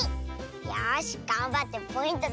よしがんばってポイント